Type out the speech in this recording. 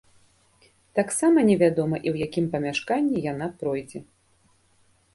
Таксама невядома і ў якім памяшканні яна пройдзе.